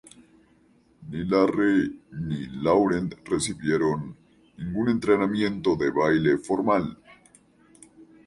Ni Larry ni Laurent recibieron ningún entrenamiento de baile formal.